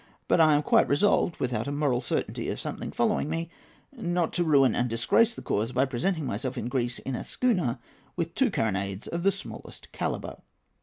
But I am quite resolved, without a moral certainty of something following me, not to ruin and disgrace the cause by presenting myself in Greece in a schooner of two carronades of the smallest calibre."